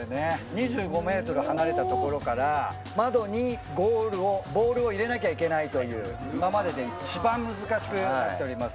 ２５メートル離れた所から窓にボールを入れなきゃいけないという、今までで一番難しくなっております。